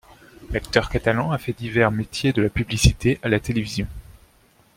L'acteur catalan a fait divers métiers de la publicité à la télévision.